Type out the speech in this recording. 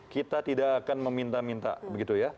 kita tidak akan meminta minta begitu ya